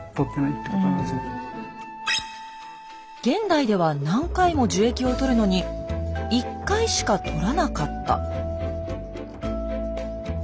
現代では何回も樹液を採るのに１回しか採らなかった。